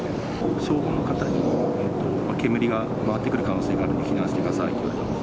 消防の方に煙が回ってくる可能性があるので避難してくださいって。